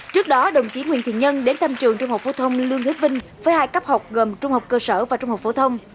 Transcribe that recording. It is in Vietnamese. trước đó đồng chí nguyễn thiện nhân đến thăm trường trung học phổ thông lương thế vinh với hai cấp học gồm trung học cơ sở và trung học phổ thông